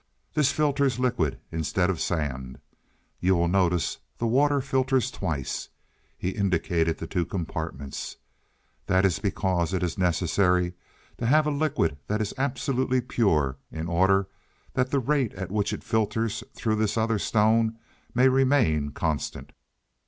This filters liquid instead of sand. You will notice the water filters twice." He indicated the two compartments. "That is because it is necessary to have a liquid that is absolutely pure in order that the rate at which it filters through this other stone may remain constant.